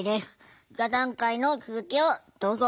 座談会の続きをどうぞ。